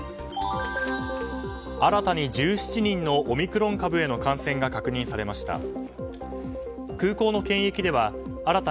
新たに１７人のオミクロン株への感染が確認されました。